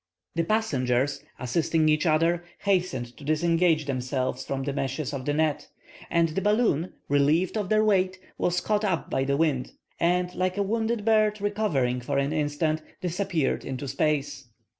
The passengers, assisting each other, hastened to disengage themselves from the meshes of the net; and the balloon, relieved of their weight, was caught up by the wind, and, like a wounded bird recovering for an instant, disappeared into space.